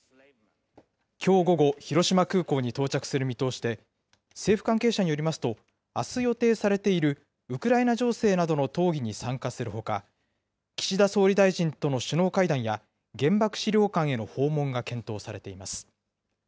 きょう午後、広島空港に到着する見通しで、政府関係者によりますと、あす予定されているウクライナ情勢などの討議に参加するほか、岸田総理大臣との首脳会談や原爆資料館への訪問が検討されています。